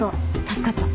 助かった。